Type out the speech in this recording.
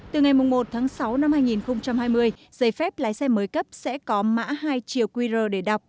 từ ngày một tháng sáu năm hai nghìn hai mươi giấy phép lái xe mới cấp sẽ có mã hai chiều qr để đọc